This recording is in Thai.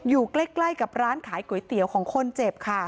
อยู่ใกล้กับร้านขายก๋วยเตี๋ยวของคนเจ็บค่ะ